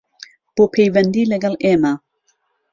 بۆ پەیوەندی لەگەڵ ئێمە